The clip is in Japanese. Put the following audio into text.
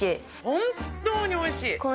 本当においしい。